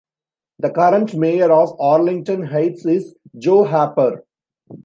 The current mayor of Arlington Heights is Joe Harper.